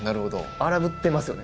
荒ぶってますよね